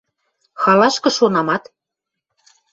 — Халашкы шонамат? —